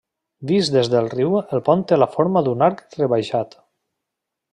Vist des del riu el pont té la forma d'un arc rebaixat.